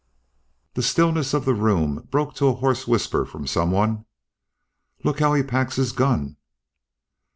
The stillness of the room broke to a hoarse whisper from some one. "Look how he packs his gun."